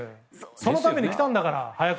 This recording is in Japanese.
そのために来たんだから。